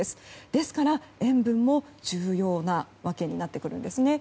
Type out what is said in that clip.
ですから塩分も重要になってくるわけですね。